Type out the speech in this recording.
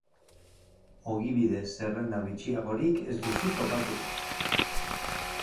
Ogibide zerrenda bitxiagorik ez duzu topatuko.